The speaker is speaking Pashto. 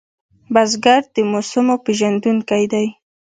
بزګر د موسمو پېژندونکی دی